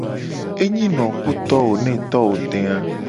Enyi no wo ku to wo ne to wo de a.